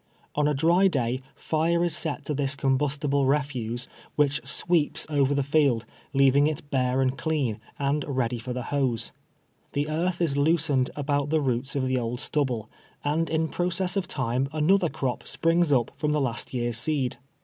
On a dry day fire is set to this combus tible refuse, which sweeps over the field, leaving it bare and clean, and ready for the hoes. The earth is loosened about the roots of the old stubble, and in process of time another crop springs up from the last HAWKIXS' SUGAK MILL. 211 year's seed.